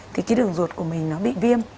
thì cái đường ruột của mình nó bị viêm